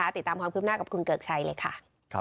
ติดตามความคืบหน้ากับคุณเกิกชัยเลยค่ะ